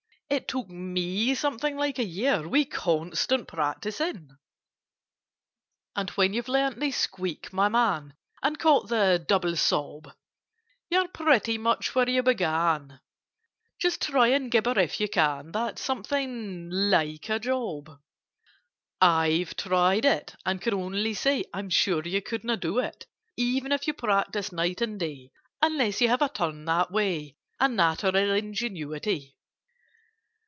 It took me something like a year, With constant practising. "And when you've learned to squeak, my man, And caught the double sob, You're pretty much where you began: Just try and gibber if you can! That's something like a job! "I've tried it, and can only say I'm sure you couldn't do it, e ven if you practised night and day, Unless you have a turn that way, And natural ingenuity.